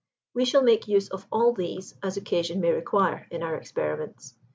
We shall make use of all these as occasion may require in our experiments.